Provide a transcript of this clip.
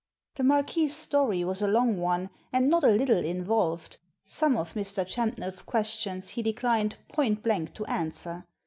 The Marquis's story was a long one, and not a little involved; some of Mr. Champnell's questions he declined, point blank, to answer.